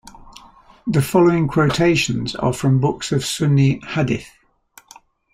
The following quotations are from books of Sunni "hadith".